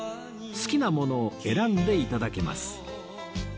好きなものを選んで頂けます